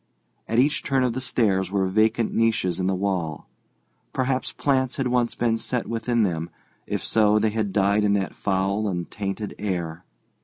At each turn of the stairs were vacant niches in the wall. Perhaps plants had once been set within them. If so they had died in that foul and tainted air.